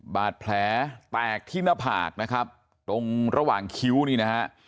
บาดแผลแตกที่หน้าผากนะครับตรงระหว่างคิ้วนี่นะฮะ